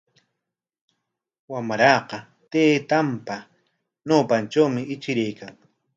Wamraqa taytanpa ñawpantrawmi ichiraykan.